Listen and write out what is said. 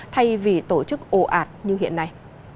thay vì tổ chức ồ ạt như hiện nay